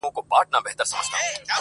د دې قلا او د خانیو افسانې یادي وې؛